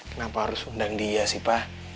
kenapa harus undang dia sih pak